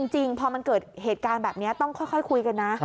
จริงพอมันเกิดเหตุการณ์แบบนี้ต้องค่อยคุยกันนะ